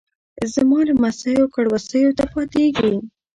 زما لمسیو کړوسیو ته پاتیږي